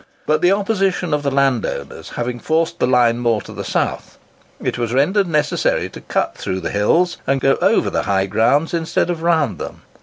But the opposition of the landowners having forced the line more to the south, it was rendered necessary to cut through the hills, and go over the high grounds instead of round them.